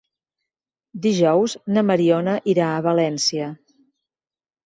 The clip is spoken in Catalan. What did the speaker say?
Dijous na Mariona irà a València.